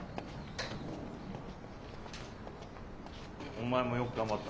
お前もよく頑張った。